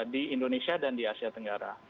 di indonesia dan di asia tenggara